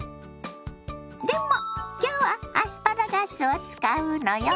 でも今日はアスパラガスを使うのよ。